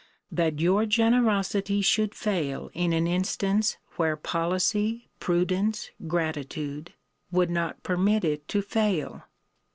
That your generosity should fail in an instance where policy, prudence, gratitude, would not permit it to fail?